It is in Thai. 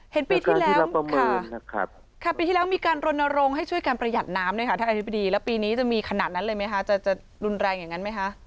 เห็นปีที่แล้วค่ะปีที่แล้วมีการรณรงค์ให้ช่วยการประหยัดน้ำด้วยค่ะท่านอธิบดีแล้วปีนี้จะมีขนาดนั้นเลยไหมคะจะรุนแรงอย่างนั้นไหมคะ